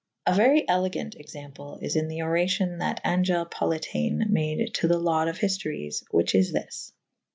A very elegant example is in the oracion that Angele Politiane made to the laude of hiftories / whiche is this.